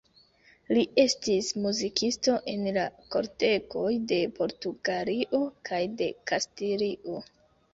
Li estis muzikisto en la kortegoj de Portugalio kaj de Kastilio.